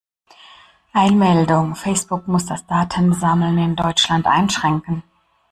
Eilmeldung! Facebook muss das Datensammeln in Deutschland einschränken.